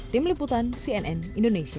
tim liputan cnn indonesia